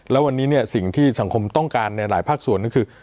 แล้ววันนี้เนี่ยสิ่งที่สังคมต้องการในหลายภาคส่วนก็คือ